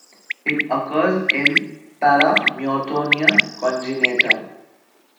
It occurs in paramyotonia congenita.